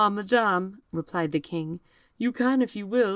Madam," replied the King, "you can if you will.